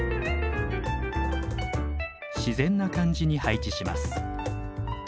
自然な感じに配置します。